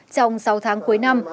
trong sáu tháng cuối năm